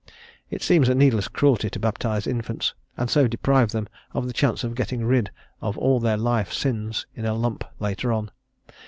It seems a needless cruelty to baptize infants, and so deprive them of the chance of getting rid of all their life sins in a lump later on.